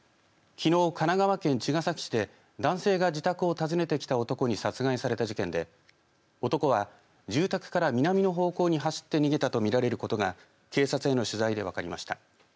きのう、神奈川県茅ヶ崎市で男性が自宅を訪ねてきた男に殺害された事件で男は住宅から南の方向に走って逃げたと見られることが警察への取材で分かりました。